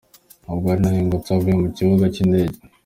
Ubwo yari ahingutse avuye mu kibuga cy’indege.